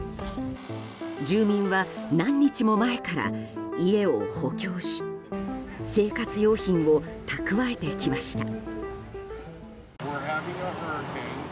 住民は何日も前から家を補強し生活用品を蓄えてきました。